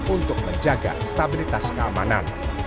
untuk menjaga stabilitas keamanan